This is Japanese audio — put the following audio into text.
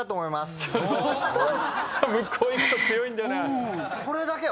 向こう行くと強いんだよな。